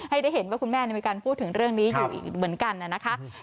ให้ได้เห็นว่าคุณแม่ในวิการพูดถึงเรื่องนี้อยู่เหมือนกัน